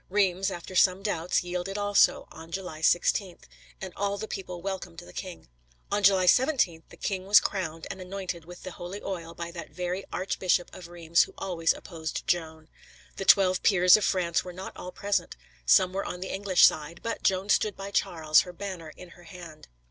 Reims, after some doubts, yielded also, on July 16, and all the people welcomed the king. On July 17 the king was crowned and anointed with the holy oil by that very Archbishop of Reims who always opposed Joan. The Twelve Peers of France were not all present some were on the English side but Joan stood by Charles, her banner in her hand.